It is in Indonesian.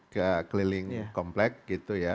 ke keliling komplek gitu ya